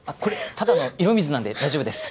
ただの色水なんで大丈夫です